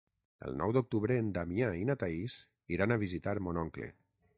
El nou d'octubre en Damià i na Thaís iran a visitar mon oncle.